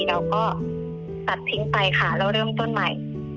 เราก็ตัดทิ้งไปค่ะเราเริ่มต้นใหม่